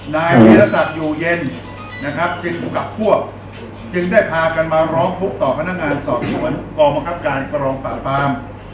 นายวีรศักดิ์อยู่เย็นนะครับจึงอยู่กับพวกจึงได้พากันมาร้องทุกข์ต่อพนักงานสอบสวนกองบังคับการกองปราบปราม